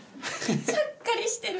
ちゃっかりしてる！